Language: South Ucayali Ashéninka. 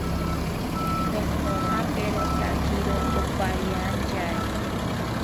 Ponpojaperotakiro opariantyari